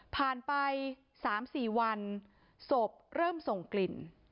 ผ่านไป๓๔วันศพเริ่มส่งกลิ่น